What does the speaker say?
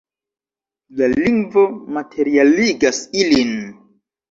La lingvo materialigas ilin.